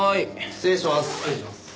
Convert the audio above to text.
失礼します。